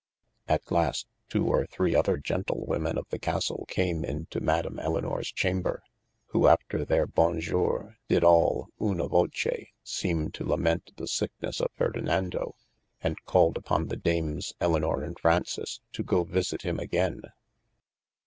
At last two or three other gentlewomen of the Castle came into Madam Elinores chamber, who after their Bon jour did all {una voce) seeme to lament the sikenes of Ferdinando and called uppon the Dames Elynor and Fraunces, to goe visite him againe.